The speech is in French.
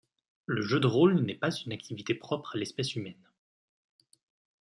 Le jeu de rôle n'est pas une activité propre à l'espèce humaine.